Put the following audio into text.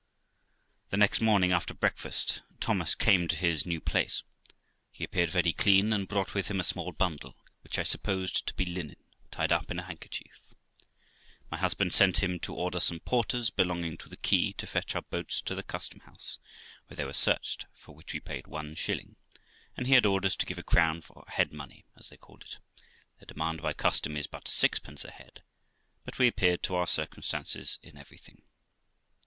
The next morning, after breakfast, Thomas came to his new place. He appeared very clean, and brought with him a small bundle, which I sup posed to be linen, tied up in a handkerchief, My husband sent him to order some porters belonging to the quay to fetch our boxes to the Custom house, where they were searched, for which we paid one shilling; and he had orders to give a crown for head money, as they called it; their demand by custom is but sixpence a head, but we appeared to our circumstances in everything.